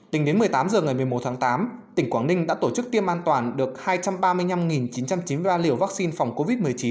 tính đến một mươi tám h ngày một mươi một tháng tám tỉnh quảng ninh đã tổ chức tiêm an toàn được hai trăm ba mươi năm chín trăm chín mươi ba liều vaccine phòng covid một mươi chín